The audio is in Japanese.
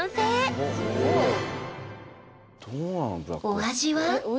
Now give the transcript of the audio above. お味は？え？